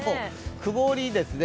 曇りですね。